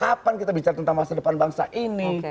kapan kita bicara tentang masa depan bangsa ini